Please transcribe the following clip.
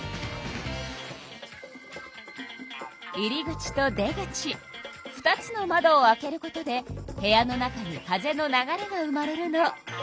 入り口と出口２つの窓を開けることで部屋の中に風の流れが生まれるの。